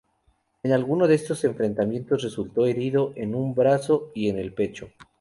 En alguno de estos enfrentamientos resultó herido, en un brazo y en el pecho.